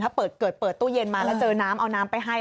ถ้าเกิดเปิดตู้เย็นมาแล้วเจอน้ำเอาน้ำไปให้